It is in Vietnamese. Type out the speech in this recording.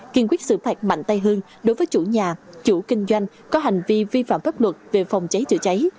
kiên quyết xử phạt mạnh tay hơn đối với chủ nhà chủ kinh doanh có hành vi vi phạm pháp luật về phòng cháy chữa cháy